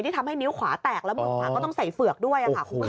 ที่ทำให้นิ้วข้าแตกแล้วต้องใส่เสือกด้วย